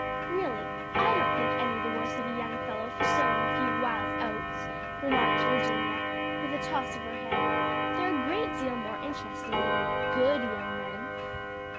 "Really, I don't think any the worse of a young fellow for sowing a few wild oats," remarked Virginia, with a toss of her head: "they're a great deal more interesting than your good young men."